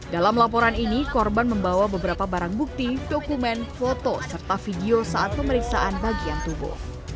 dalam laporan ini korban membawa beberapa barang bukti dokumen foto serta video saat pemeriksaan bagian tubuh